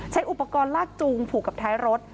ใช้อุปกรณ์ลากจูงผูกกับท้ายรถ